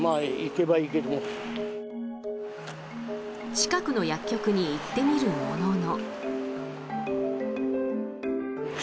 近くの薬局に行ってみるものの。